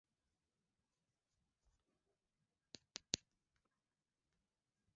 Msemaji wa Msalaba Mwekundu wa Uganda Irene Nakasita aliongea na waandishi wa habari.